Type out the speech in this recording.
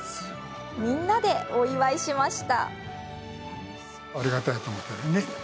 みんなでお祝いしました。